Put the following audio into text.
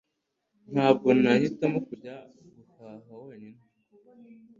Ntabwo nahitamo kujya guhaha wenyine